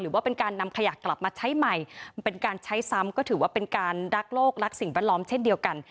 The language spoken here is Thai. ว่าเป็นการนำขยะกลับมาใช้ใหม่มันเป็นการใช้ซ้ำก็ถือว่าเป็นการรักโลกรักสิ่งแวดล้อมเช่นเดียวกัน